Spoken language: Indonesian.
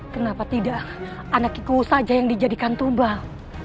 kenapa tidak anak kikwu saja yang dijadikan tumbal